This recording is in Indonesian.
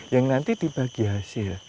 yang nanti dibagi hasil